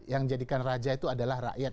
yang jadikan raja itu adalah rakyat